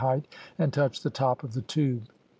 and touched the top of the tube.